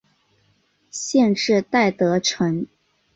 县治戴德城。